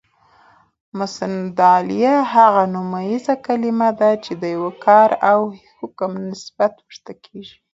مسندالیه: هغه نومیزه کلیمه ده، چي د یو کار او حکم نسبت ورته کیږي.